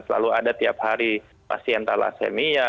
selalu ada tiap hari pasien thalassemia